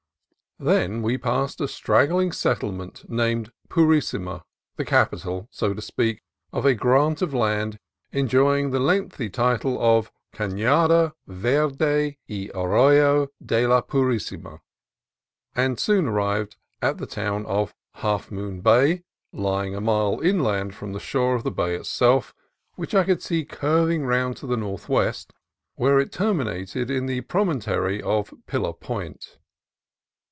Then we passed a straggling settlement named Purisima, the capital, so to speak, of a grant of land enjoying the lengthy title of Canada Verde y Arroyo de la Purisima; and soon arrived at the town of Half Moon Bay, lying a mile inland from the shore of the bay itself, which I could see curving round to the northwest, where it terminated in the promon tory of Pillar Point.